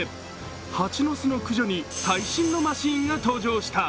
蜂の巣の駆除に最新のマシーンが登場した。